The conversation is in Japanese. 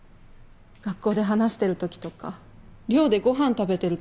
学校で話してる時とか寮でご飯食べてる時とか。